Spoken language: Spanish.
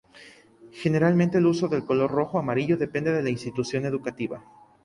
Generalmente el uso del color rojo o amarillo depende de la institución educativa.